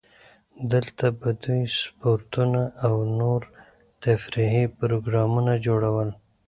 دلته به دوی سپورتونه او نور تفریحي پروګرامونه جوړول.